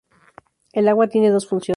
El agua tiene dos funciones.